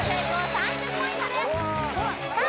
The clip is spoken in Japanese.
３０ポイントですさあ